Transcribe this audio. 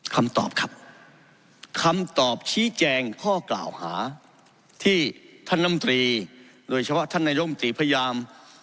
คำตอบครับคำตอบชี้แจงข้อกล่าวหาที่ท่านน้ำตรีโดยเฉพาะท่านนายมตรีพยายาม